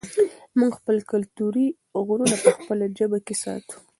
موږ خپل کلتوري غرور په خپله ژبه کې ساتو.